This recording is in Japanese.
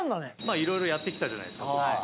色々やってきたじゃないですか。